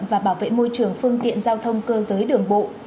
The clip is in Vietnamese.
và bảo vệ môi trường phương tiện giao thông cơ giới đường bộ